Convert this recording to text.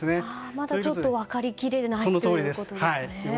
まだちょっと分かりきらないということですね。